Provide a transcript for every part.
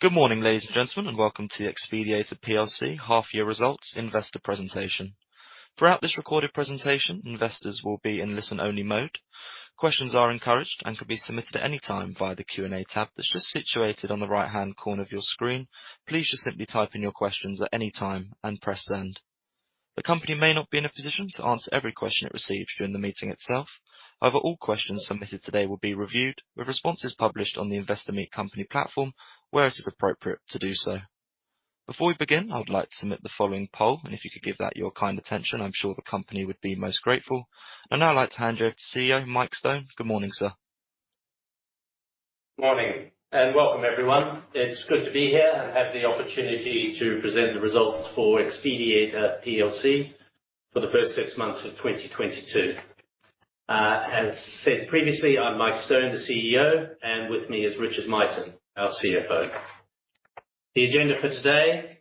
Good morning, ladies and gentlemen, and welcome to the Xpediator Plc half year results investor presentation. Throughout this recorded presentation, investors will be in listen-only mode. Questions are encouraged and can be submitted at any time via the Q&A tab that's just situated on the right-hand corner of your screen. Please just simply type in your questions at any time and press send. The company may not be in a position to answer every question it receives during the meeting itself. However, all questions submitted today will be reviewed with responses published on the Investor Meet Company platform where it is appropriate to do so. Before we begin, I would like to submit the following poll, and if you could give that your kind attention, I'm sure the company would be most grateful. I'd now like to hand you over to CEO Mike Stone. Good morning, sir. Morning, welcome, everyone. It's good to be here and have the opportunity to present the results for Xpediator Plc for the first six months of 2022. As said previously, I'm Mike Stone, the CEO, and with me is Richard Myson, our CFO. The agenda for today.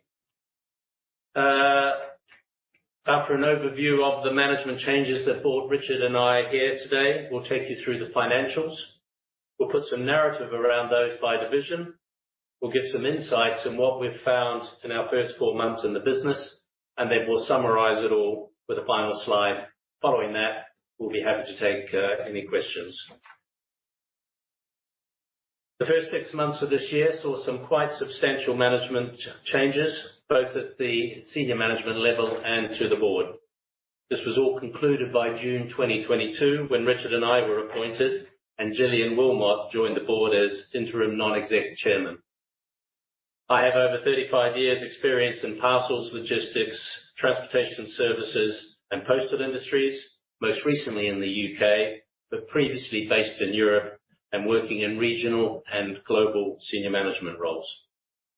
After an overview of the management changes that brought Richard and I here today, we'll take you through the financials. We'll put some narrative around those by division. We'll give some insights on what we've found in our first four months in the business, and then we'll summarize it all with a final slide. Following that, we'll be happy to take any questions. The first six months of this year saw some quite substantial management changes, both at the senior management level and to the board. This was all concluded by June 2022, when Richard and I were appointed and Gillian Wilmot joined the board as Interim Non-Exec Chairman. I have over 35 years' experience in parcels, logistics, transportation services, and postal industries, most recently in the U.K., but previously based in Europe and working in regional and global senior management roles.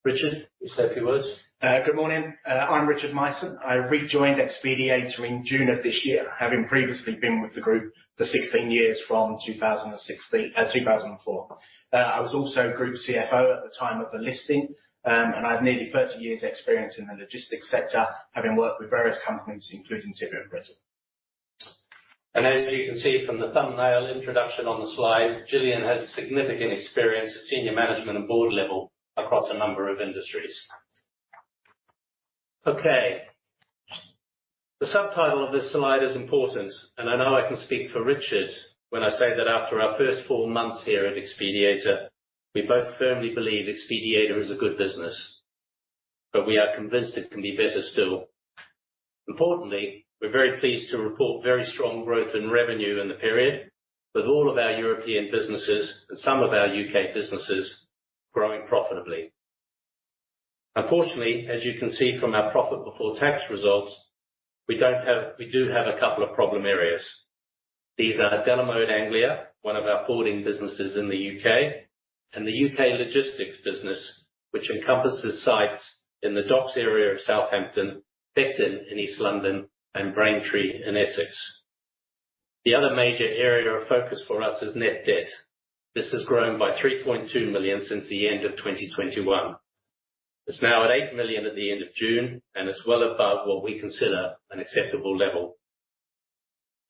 Richard, you say a few words. Good morning. I'm Richard Myson. I rejoined Xpediator in June of this year, having previously been with the group for 16 years from 2004. I was also Group CFO at the time of the listing, and I have nearly 30 years' experience in the logistics sector, having worked with various companies, including Tibbett & Britten. As you can see from the thumbnail introduction on the slide, Gillian has significant experience at senior management and board level across a number of industries. Okay. The subtitle of this slide is important, and I know I can speak for Richard when I say that after our first four months here at Xpediator, we both firmly believe Xpediator is a good business, but we are convinced it can be better still. Importantly, we're very pleased to report very strong growth in revenue in the period with all of our European businesses and some of our U.K. businesses growing profitably. Unfortunately, as you can see from our profit before tax results, we do have a couple of problem areas. These are Delamode Anglia, one of our forwarding businesses in the U.K., and the U.K. logistics business, which encompasses sites in the docks area of Southampton, Beckton in East London, and Braintree in Essex. The other major area of focus for us is net debt. This has grown by 3.2 million since the end of 2021. It's now at 8 million at the end of June, and it's well above what we consider an acceptable level.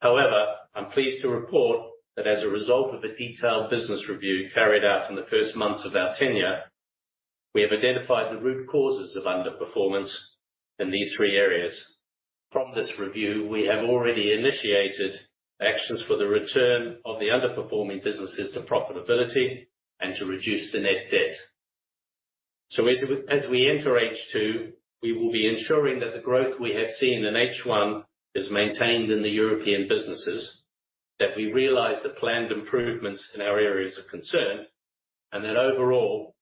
However, I'm pleased to report that as a result of a detailed business review carried out in the first months of our tenure, we have identified the root causes of underperformance in these three areas. From this review, we have already initiated actions for the return of the underperforming businesses to profitability and to reduce the net debt. As we enter H2, we will be ensuring that the growth we have seen in H1 is maintained in the European businesses, that we realize the planned improvements in our areas of concern, and that overall,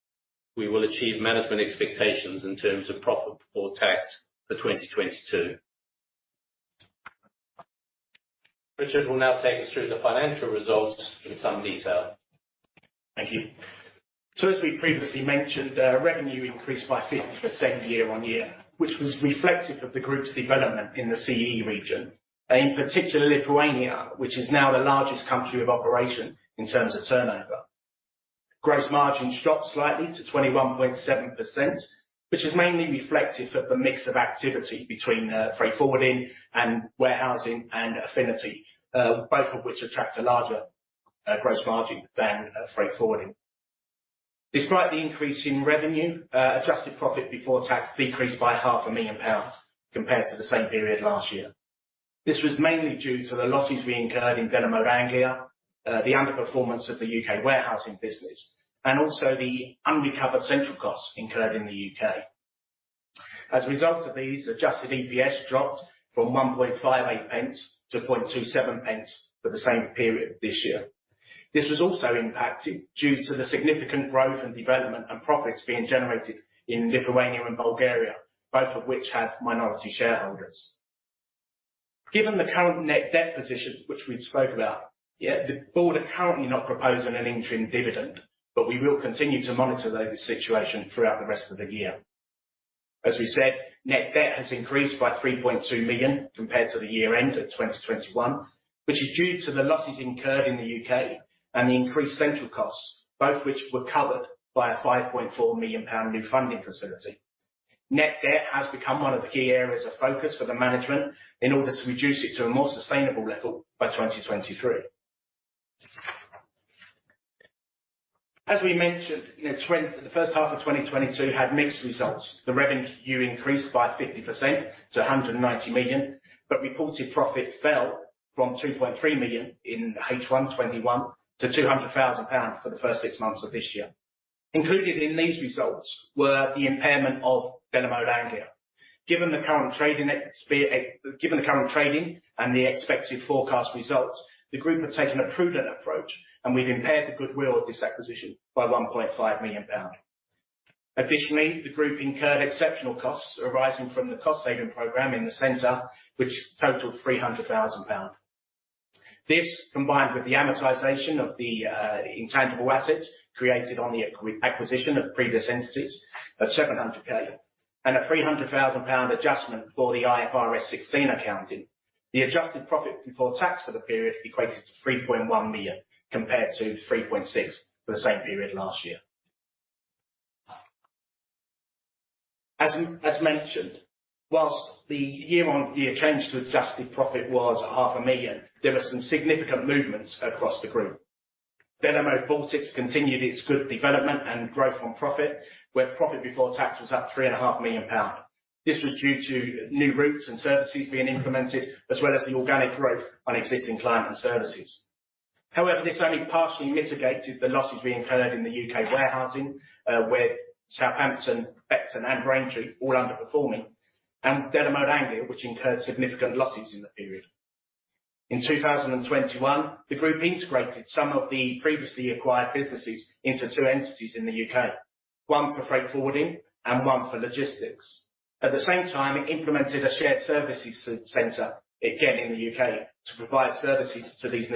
we will achieve management expectations in terms of profit before tax for 2022. Richard will now take us through the financial results in some detail. Thank you. As we previously mentioned, revenue increased by 50% year-on-year, which was reflective of the group's development in the CEE region, and in particular Lithuania, which is now the largest country of operation in terms of turnover. Gross margin dropped slightly to 21.7%, which is mainly reflective of the mix of activity between freight forwarding and warehousing and Affinity, both of which attract a larger gross margin than freight forwarding. Despite the increase in revenue, adjusted profit before tax decreased by half a million pounds compared to the same period last year. This was mainly due to the losses we incurred in Delamode Anglia, the underperformance of the U.K. warehousing business, and also the unrecovered central costs incurred in the U.K.. As a result of these, adjusted EPS dropped from 1.58 to 0.27 for the same period this year. This was also impacted due to the significant growth and development and profits being generated in Lithuania and Bulgaria, both of which have minority shareholders. Given the current net debt position, which we've spoke about, yeah, the board are currently not proposing an interim dividend, but we will continue to monitor this situation throughout the rest of the year. As we said, net debt has increased by 3.2 million compared to the year-end of 2021, which is due to the losses incurred in the U.K. and the increased central costs, both which were covered by a 5.4 million pound new funding facility. Net debt has become one of the key areas of focus for the management in order to reduce it to a more sustainable level by 2023. As we mentioned, you know, the first half of 2022 had mixed results. The revenue increased by 50% to 190 million, but reported profit fell from 2.3 million in H1 2021 to 200,000 pounds for the first six months of this year. Included in these results were the impairment of Delamode Anglia. Given the current trading and the expected forecast results, the group have taken a prudent approach and we've impaired the goodwill of this acquisition by 1.5 million pounds. Additionally, the group incurred exceptional costs arising from the cost saving program in the center, which totaled 300,000 pounds. This, combined with the amortization of the intangible assets created on the acquisition of previous entities of 700,000, and a 300,000 pound adjustment for the IFRS 16 accounting, the adjusted profit before tax for the period equates to 3.1 million compared to 3.6 million for the same period last year. As mentioned, while the year-on-year change to adjusted profit was half a million, there were some significant movements across the group. Delamode Baltics continued its good development and growth on profit, where profit before tax was up 3.5 million pounds. This was due to new routes and services being implemented, as well as the organic growth on existing client and services. However, this only partially mitigated the losses we incurred in the U.K. warehousing with Southampton, Beckton, and Braintree all underperforming, and Delamode Anglia, which incurred significant losses in the period. In 2021, the group integrated some of the previously acquired businesses into two entities in the U.K., one for freight forwarding and one for logistics. At the same time, it implemented a shared services center, again in the U.K., to provide services to these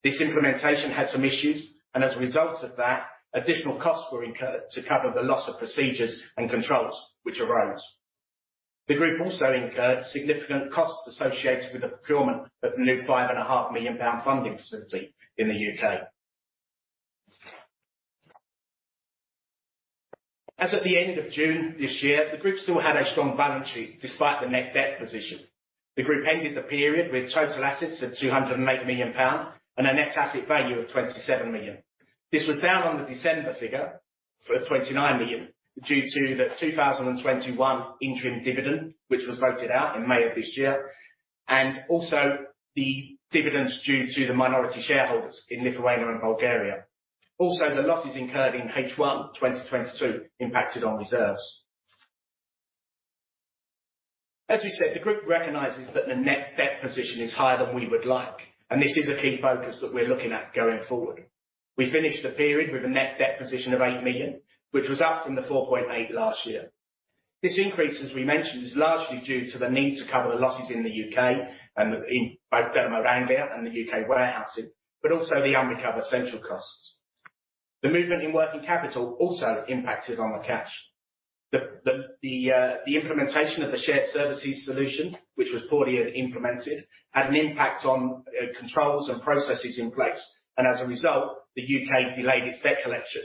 new entities. This implementation had some issues and as a result of that, additional costs were incurred to cover the loss of procedures and controls which arose. The group also incurred significant costs associated with the procurement of the new 5.5 million pound funding facility in the U.K.. As of the end of June this year, the group still had a strong balance sheet despite the net debt position. The group ended the period with total assets of 208 million pounds and a net asset value of 27 million. This was down on the December figure for 29 million due to the 2021 interim dividend, which was voted out in May of this year, and also the dividends due to the minority shareholders in Lithuania and Bulgaria. The losses incurred in H1 2022 impacted on reserves. As we said, the group recognizes that the net debt position is higher than we would like, and this is a key focus that we're looking at going forward. We finished the period with a net debt position of 8 million, which was up from the 4.8 million last year. This increase, as we mentioned, is largely due to the need to cover the losses in the U.K. and in both Delamode Anglia and the U.K. warehousing, but also the unrecovered central costs. The movement in working capital also impacted on the cash. The implementation of the shared services solution, which was poorly implemented, had an impact on controls and processes in place, and as a result, the U.K. delayed its debt collection.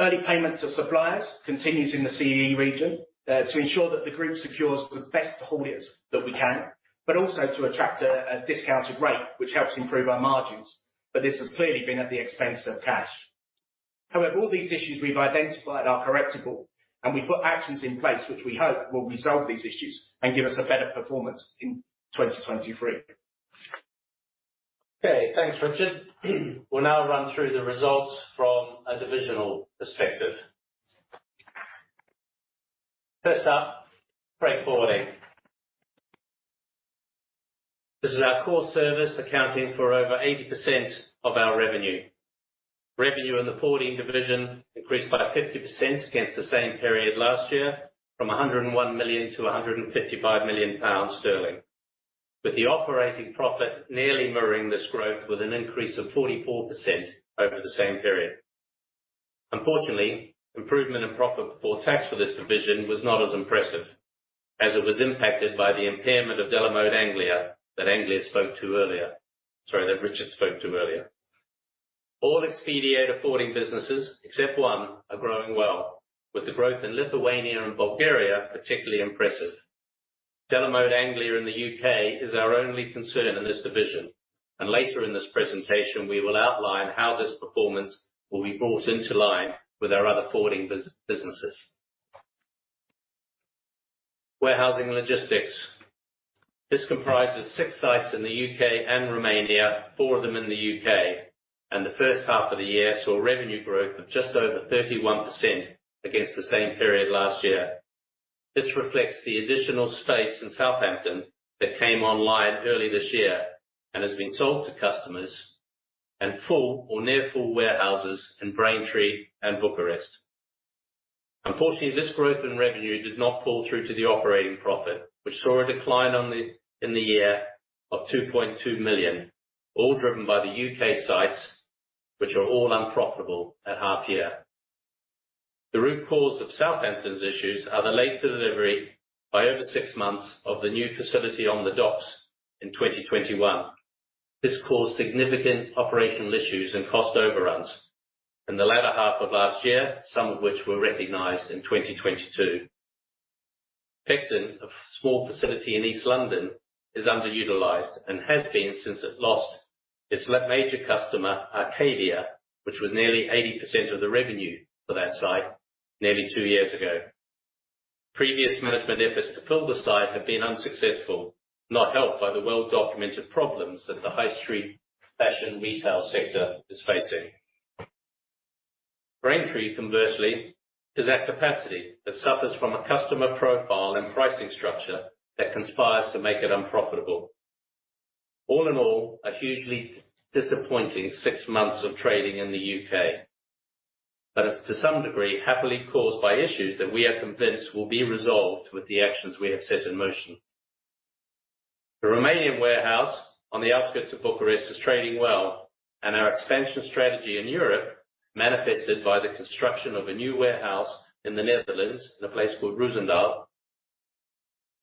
Early payment to suppliers continues in the CEE region to ensure that the group secures the best hauliers that we can, but also to attract a discounted rate, which helps improve our margins. This has clearly been at the expense of cash. However, all these issues we've identified are correctable, and we've put actions in place which we hope will resolve these issues and give us a better performance in 2023. Okay, thanks, Richard. We'll now run through the results from a divisional perspective. First up, freight forwarding. This is our core service accounting for over 80% of our revenue. Revenue in the forwarding division increased by 50% against the same period last year from 101 million to 155 million sterling, with the operating profit nearly mirroring this growth with an increase of 44% over the same period. Unfortunately, improvement in profit before tax for this division was not as impressive as it was impacted by the impairment of Delamode Anglia that Anglia spoke to earlier. Sorry, that Richard spoke to earlier. All Xpediator forwarding businesses, except one, are growing well with the growth in Lithuania and Bulgaria particularly impressive. Delamode Anglia in the U.K. is our only concern in this division, and later in this presentation, we will outline how this performance will be brought into line with our other forwarding businesses. Warehousing logistics. This comprises six sites in the U.K. and Romania, four of them in the U.K., and the first half of the year saw revenue growth of just over 31% against the same period last year. This reflects the additional space in Southampton that came online early this year and has been sold to customers, and full or near full warehouses in Braintree and Bucharest. Unfortunately, this growth in revenue did not flow through to the operating profit, which saw a decline in the year of 2.2 million, all driven by the U.K. sites, which are all unprofitable at half year. The root cause of Southampton's issues are the late delivery by over six months of the new facility on the docks in 2021. This caused significant operational issues and cost overruns in the latter half of last year, some of which were recognized in 2022. Beckton, a small facility in East London, is underutilized and has been since it lost its major customer, Arcadia, which was nearly 80% of the revenue for that site nearly two years ago. Previous management efforts to fill the site have been unsuccessful, not helped by the well-documented problems that the high street fashion retail sector is facing. Braintree, conversely, is at capacity that suffers from a customer profile and pricing structure that conspires to make it unprofitable. All in all, a hugely disappointing six months of trading in the U.K.. To some degree, happily caused by issues that we are convinced will be resolved with the actions we have set in motion. The Romanian warehouse on the outskirts of Bucharest is trading well, and our expansion strategy in Europe manifested by the construction of a new warehouse in the Netherlands, in a place called Roosendaal,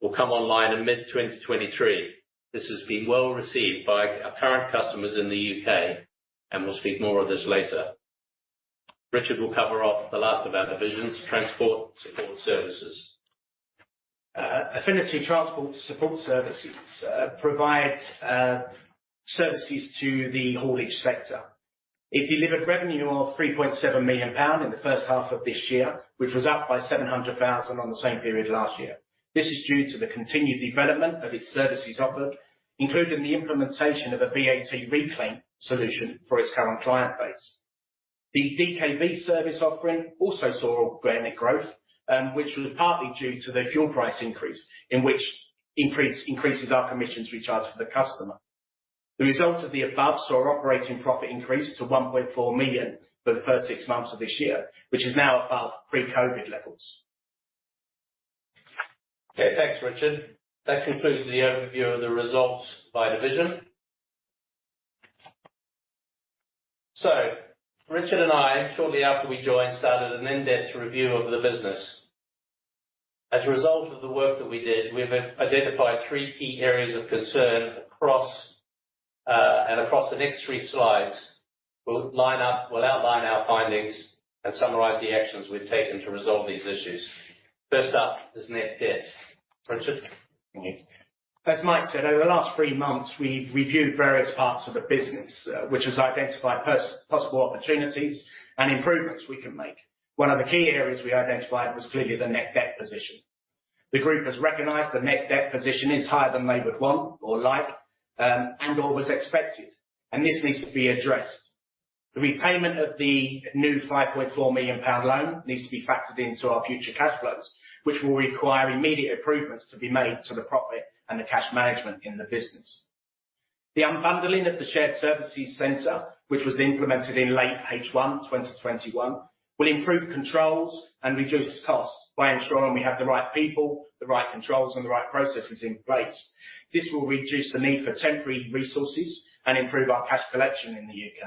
will come online in mid-2023. This has been well-received by our current customers in the U.K., and we'll speak more of this later. Richard will cover off the last of our divisions, Transport Support Services. Affinity Transport Solutions provides services to the haulage sector. It delivered revenue of 3.7 million pound in the first half of this year, which was up by 700,000 on the same period last year. This is due to the continued development of its services offered, including the implementation of a VAT reclaim solution for its current client base. The DKV service offering also saw organic growth, which was partly due to the fuel price increase, which increases our commissions recharge for the customer. The results of the above saw operating profit increase to 1.4 million for the first six months of this year, which is now above pre-COVID levels. Okay, thanks, Richard. That concludes the overview of the results by division. Richard and I, shortly after we joined, started an in-depth review of the business. As a result of the work that we did, we've identified three key areas of concern across and across the next three slides, we'll outline our findings and summarize the actions we've taken to resolve these issues. First up is net debt. Richard. As Mike said, over the last three months, we've reviewed various parts of the business, which has identified possible opportunities and improvements we can make. One of the key areas we identified was clearly the net debt position. The group has recognized the net debt position is higher than they would want or like, and/or was expected, and this needs to be addressed. The repayment of the new 5.4 million pound loan needs to be factored into our future cash flows, which will require immediate improvements to be made to the profit and the cash management in the business. The unbundling of the shared services center, which was implemented in late H1 2021, will improve controls and reduce costs by ensuring we have the right people, the right controls, and the right processes in place. This will reduce the need for temporary resources and improve our cash collection in the U.K..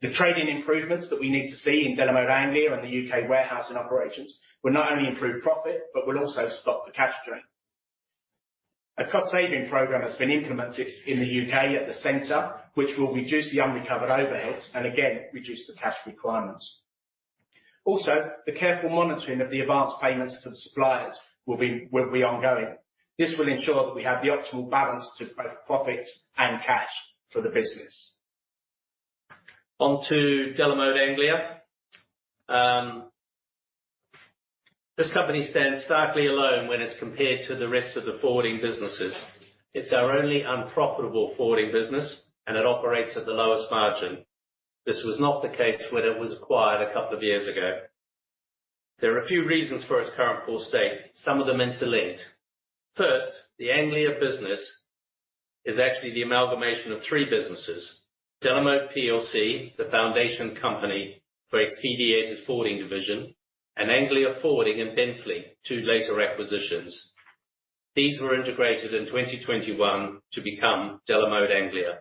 The trading improvements that we need to see in Delamode Anglia and the U.K. warehouse and operations will not only improve profit, but will also stop the cash drain. A cost-saving program has been implemented in the U.K. at the center, which will reduce the unrecovered overheads and again, reduce the cash requirements. Also, the careful monitoring of the advanced payments to the suppliers will be ongoing. This will ensure that we have the optimal balance to both profits and cash for the business. On to Delamode Anglia. This company stands starkly alone when it's compared to the rest of the forwarding businesses. It's our only unprofitable forwarding business, and it operates at the lowest margin. This was not the case when it was acquired a couple of years ago. There are a few reasons for its current poor state, some of them interlinked. First, the Anglia business is actually the amalgamation of three businesses. Delamode Plc, the foundation company for its Delamode's forwarding division, and Anglia Forwarding and Benfleet, two later acquisitions. These were integrated in 2021 to become Delamode Anglia.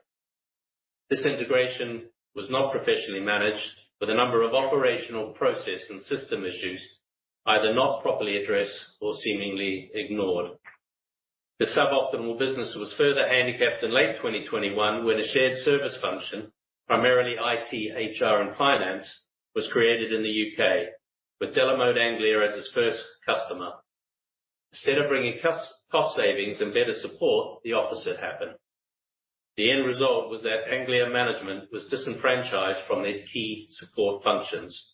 This integration was not professionally managed, with a number of operational process and system issues either not properly addressed or seemingly ignored. The suboptimal business was further handicapped in late 2021 when a shared service function, primarily IT, HR, and finance, was created in the U.K. with Delamode Anglia as its first customer. Instead of bringing cost savings and better support, the opposite happened. The end result was that Anglia management was disenfranchised from these key support functions.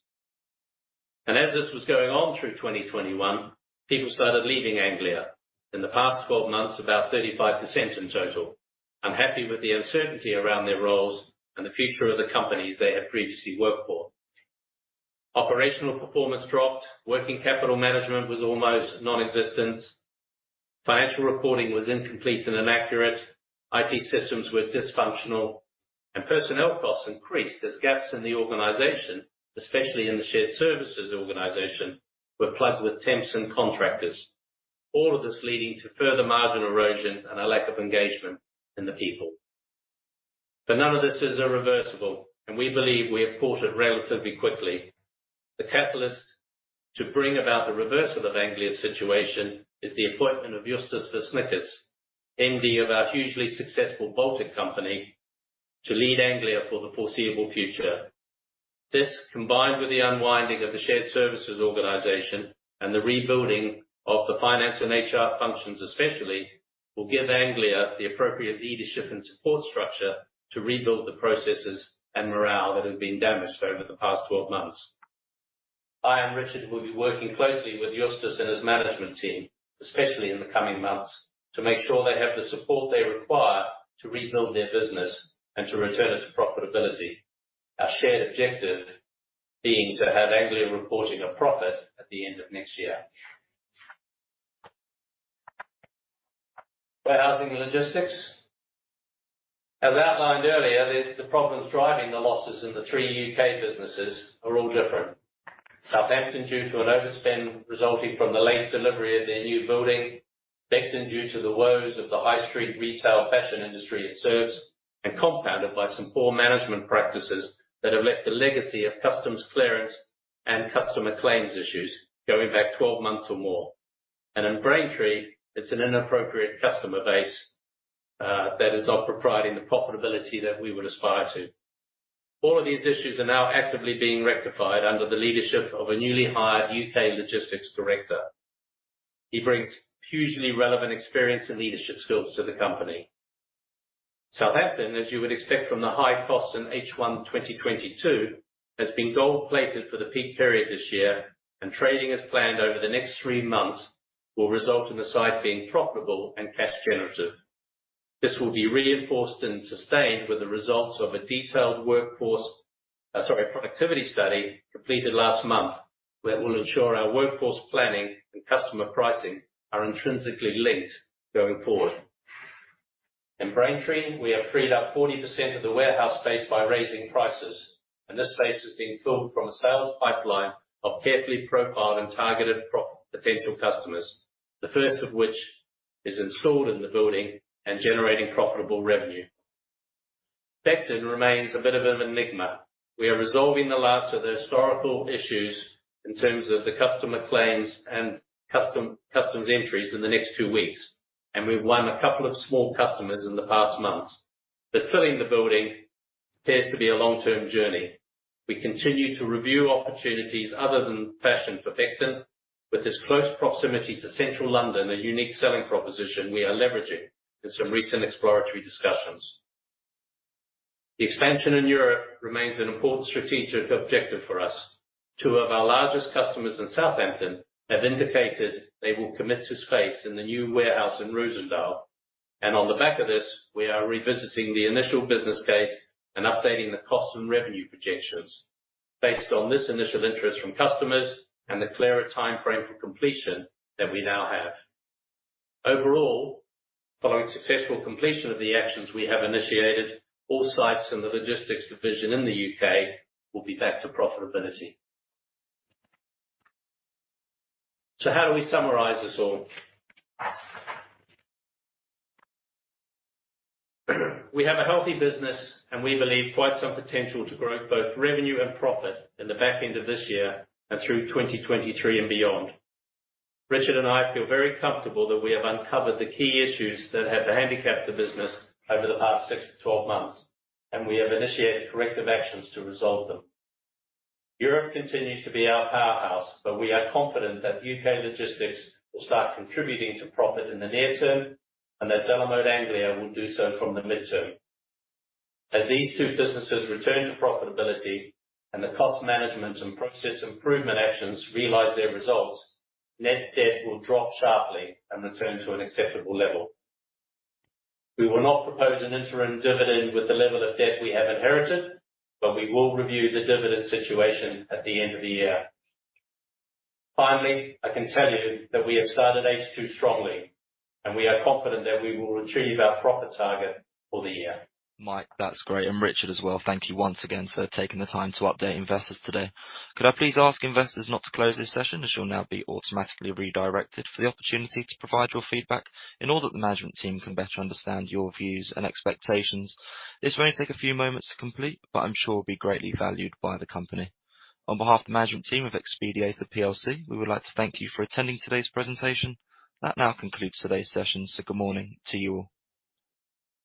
As this was going on through 2021, people started leaving Anglia. In the past 12 months, about 35% in total, unhappy with the uncertainty around their roles and the future of the companies they had previously worked for. Operational performance dropped, working capital management was almost non-existent, financial reporting was incomplete and inaccurate, IT systems were dysfunctional, and personnel costs increased as gaps in the organization, especially in the shared services organization, were plugged with temps and contractors. All of this leading to further margin erosion and a lack of engagement in the people. None of this is irreversible, and we believe we have caught it relatively quickly. The catalyst to bring about the reversal of Anglia's situation is the appointment of Justas Veršnickas, MD of our hugely successful Baltic company, to lead Anglia for the foreseeable future. This combined with the unwind of the shared services organization and the rebuilding of the finance and HR functions especially, will give Anglia the appropriate leadership and support structure to rebuild the processes and morale that have been damaged over the past 12 months. I and Richard, will be working closely with Justas and his management team, especially in the coming months, to make sure they have the support they require to rebuild their business and to return it to profitability. Our shared objective being to have Anglia reporting a profit at the end of next year. Warehousing and logistics. As outlined earlier, the problems driving the losses in the three U.K. businesses are all different. Southampton, due to an overspend resulting from the late delivery of their new building. Beckton, due to the woes of the high street retail fashion industry it serves, and compounded by some poor management practices that have left a legacy of customs clearance and customer claims issues going back 12 months or more. In Braintree, it's an inappropriate customer base that is not providing the profitability that we would aspire to. All of these issues are now actively being rectified under the leadership of a newly hired U.K. logistics director. He brings hugely relevant experience and leadership skills to the company. Southampton, as you would expect from the high cost in H1 2022, has been gold-plated for the peak period this year, and trading as planned over the next three months will result in the site being profitable and cash generative. This will be reinforced and sustained with the results of a detailed workforce, as a, productivity study completed last month, where it will ensure our workforce planning and customer pricing are intrinsically linked going forward. In Braintree, we have freed up 40% of the warehouse space by raising prices, and this space is being filled from a sales pipeline of carefully profiled and targeted potential customers, the first of which is installed in the building and generating profitable revenue. Beckton remains a bit of an enigma. We are resolving the last of the historical issues in terms of the customer claims and customs entries in the next two weeks, and we've won a couple of small customers in the past months. Filling the building appears to be a long-term journey. We continue to review opportunities other than fashion for Beckton. With this close proximity to Central London, a unique selling proposition we are leveraging in some recent exploratory discussions. The expansion in Europe remains an important strategic objective for us. Two of our largest customers in Southampton have indicated they will commit to space in the new warehouse in Roosendaal, and on the back of this, we are revisiting the initial business case and updating the cost and revenue projections based on this initial interest from customers and the clearer timeframe for completion that we now have. Overall, following successful completion of the actions we have initiated, all sites in the logistics division in the U.K. will be back to profitability. How do we summarize this all? We have a healthy business and we believe quite some potential to grow both revenue and profit in the back end of this year and through 2023 and beyond. Richard and I feel very comfortable that we have uncovered the key issues that have handicapped the business over the past six to 12 months, and we have initiated corrective actions to resolve them. Europe continues to be our powerhouse, but we are confident that U.K. logistics will start contributing to profit in the near term, and that Delamode Anglia will do so from the midterm. As these two businesses return to profitability and the cost management and process improvement actions realize their results, net debt will drop sharply and return to an acceptable level. We will not propose an interim dividend with the level of debt we have inherited, but we will review the dividend situation at the end of the year. Finally, I can tell you that we have started H2 strongly, and we are confident that we will achieve our profit target for the year. Mike, that's great, and Richard as well. Thank you once again for taking the time to update investors today. Could I please ask investors not to close this session, as you'll now be automatically redirected for the opportunity to provide your feedback in order that the management team can better understand your views and expectations. This will only take a few moments to complete, but I'm sure will be greatly valued by the company. On behalf of the management team of Xpediator Plc, we would like to thank you for attending today's presentation. That now concludes today's session, so good morning to you all.